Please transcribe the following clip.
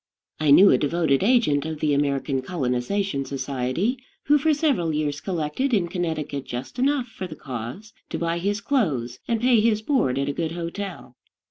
I knew a devoted agent of the American Colonization Society, who, for several years, collected in Connecticut just enough, for the cause, to buy his clothes, and pay his board at a good hotel.